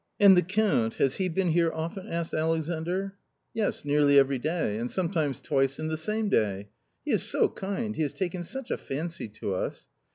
" "And the Count — has he been here often?" asked Alexandr. " Yes, nearly every day, and sometimes twice in the same day ; he is so kind, he has taken such a fancy to us.